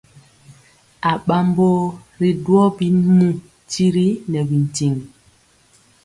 Aɓambo ri duwɔ bimu tiri nɛ bintiŋ.